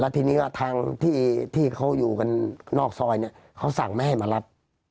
ทีนี้ก็ทางที่เขาอยู่กันนอกซอยเนี่ยเขาสั่งไม่ให้มารับ